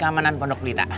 keamanan pondok pelita